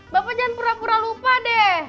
bapak jangan pura pura lupa deh